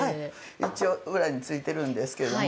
一応、裏についてるんですけどね。